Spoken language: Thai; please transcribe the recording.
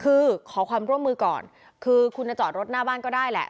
คือขอความร่วมมือก่อนคือคุณจะจอดรถหน้าบ้านก็ได้แหละ